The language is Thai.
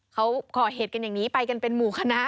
เขาก่อเหตุกันอย่างนี้ไปกันเป็นหมู่คณะ